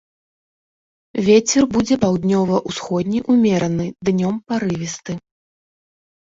Вецер будзе паўднёва-ўсходні ўмераны, днём парывісты.